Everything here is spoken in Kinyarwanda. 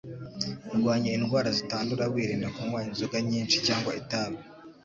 rwanya indwara zitandura wirinda kunywa inzonga nyishi cyangwa itabi